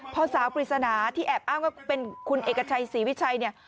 พอสาวปริศนาที่แอบอ้างว่าเป็นคุณเอกชัยศรีวิชัยเนี่ย